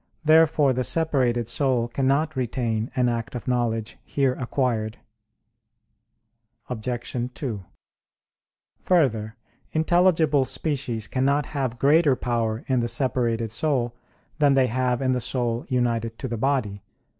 Therefore the separated soul cannot retain an act of knowledge here acquired. Obj. 2: Further, intelligible species cannot have greater power in the separated soul than they have in the soul united to the body.